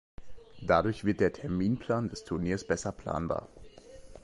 Dadurch wird der Terminplan des Turniers besser planbar.